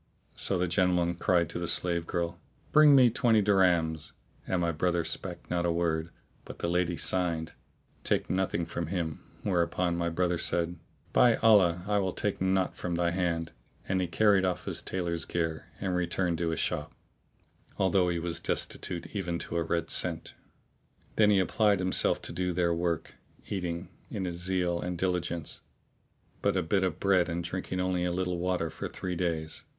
So the gentleman cried out to the slave girl, "Bring me twenty dirhams," and my brother spake not a word; but the lady signed, "Take nothing from him;' whereupon my brother said, "By Allah I will take naught from thy hand. And he carried off his tailor's gear and returned to his shop, although he was destitute even to a red cent.[FN#638] Then he applied himself to do their work; eating, in his zeal and diligence, but a bit of bread and drinking only a little water for three days.